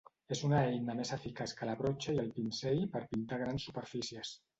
És una eina més eficaç que la brotxa i el pinzell per pintar grans superfícies.